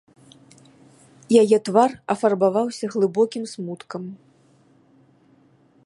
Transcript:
Яе твар афарбаваўся глыбокім смуткам.